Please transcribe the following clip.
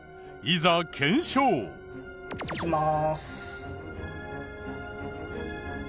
いきまーす。